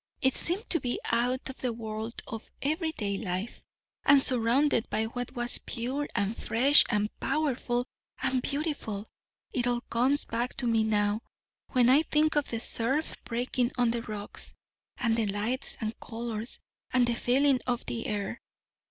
I seemed to be out of the world of everyday life, and surrounded by what was pure and fresh and powerful and beautiful it all comes back to me now, when I think of the surf breaking on the rocks, and the lights and colours, and the feeling of the air."